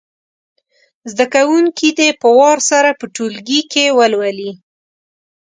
زده کوونکي دې په وار سره په ټولګي کې ولولي.